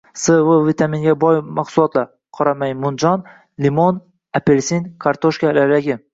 S, V vitaminiga boy mahsulotlar: qora maymunjon, limon, apelsin, kartoshka, lavlagi.